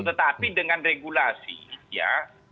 tetapi dengan regulasi ya